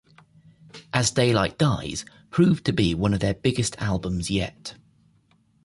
"As Daylight Dies" proved to be one of their biggest albums yet.